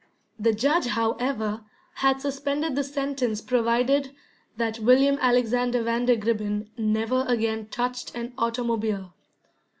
The judge, however, had suspended the sentence provided that William Alexander Vandergribbin never again touched an automobile.